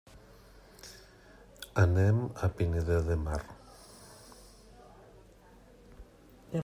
Anem a Pineda de Mar.